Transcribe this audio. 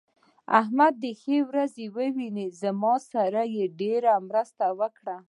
احمد دې ښه ورځ وويني؛ زما سره يې ډېره مرسته وکړه.